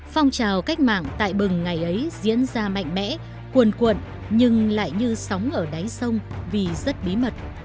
phong trào cách mạng tại bừng ngày ấy diễn ra mạnh mẽ cuồn cuộn nhưng lại như sóng ở đáy sông vì rất bí mật